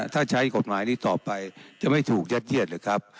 ถ้าใช้กฎหมายนี้ต่อไปจะไม่ถูกยัดเยียดหรือครับ